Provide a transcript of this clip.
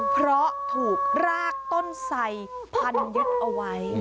เพราะถูกรากต้นไสพันยึดเอาไว้